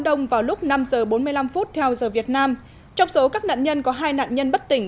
đông vào lúc năm h bốn mươi năm theo giờ việt nam trong số các nạn nhân có hai nạn nhân bất tỉnh